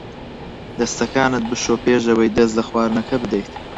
دەستەکانت بشۆ پێش ئەوەی دەست لە خواردنەکە بدەیت.